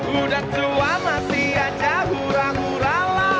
udah tua masih aja hura hura lah